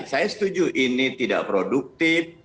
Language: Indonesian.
saya setuju ini tidak produktif